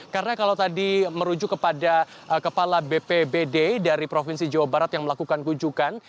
karena kalau tadi merujuk kepada kepala bpbd dari provinsi jawa barat yang melakukan kujukan